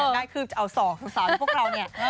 อยากได้คือจะเอาสองสาวให้พวกเรา